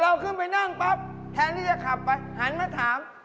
เราขึ้นไปนั่งปั๊บแทนที่จะขับไปหันมาถาม